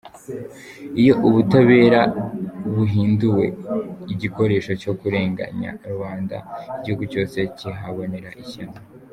Iyo ubutabera buhinduwe igikoresho cyo kurenganya rubanda, igihugu cyose kihabonera ishyano.